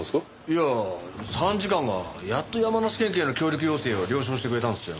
いやあ参事官がやっと山梨県警の協力要請を了承してくれたんですよ。